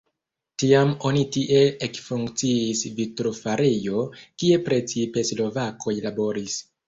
Tiam oni tie ekfunkciis vitrofarejo, kie precipe slovakoj laboris.